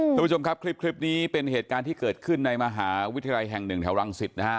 คุณผู้ชมครับคลิปนี้เป็นเหตุการณ์ที่เกิดขึ้นในมหาวิทยาลัยแห่งหนึ่งแถวรังสิตนะฮะ